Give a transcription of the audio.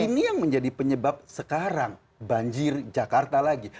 ini yang menjadi penyebab sekarang banjir jakarta lagi